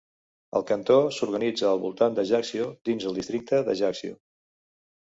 El cantó s'organitza al voltant d'Ajaccio dins el districte d'Ajaccio.